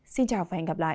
xin chào và hẹn gặp lại